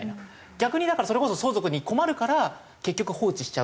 逆にそれこそ相続に困るから結局放置しちゃうとか。